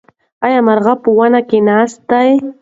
ایا مرغۍ په ونې کې ناستې دي؟